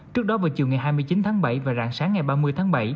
trước đó vào chiều ngày hai mươi chín tháng bảy và rạng sáng ngày ba mươi tháng bảy